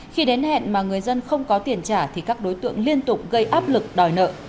khi đến hẹn mà người dân không có tiền trả thì các đối tượng liên tục gây áp lực đòi nợ